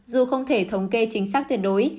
dù không thể thống kê chính xác tuyệt đối